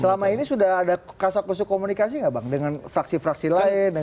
selama ini sudah ada kasak kasuh komunikasi nggak bang dengan fraksi fraksi lain